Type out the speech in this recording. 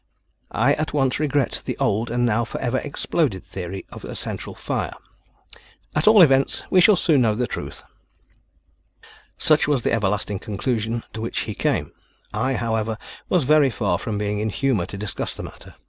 I at once regret the old and now forever exploded theory of a central fire. At all events, we shall soon know the truth." Such was the everlasting conclusion to which he came. I, however, was very far from being in humor to discuss the matter.